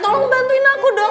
tolong bantuin aku dong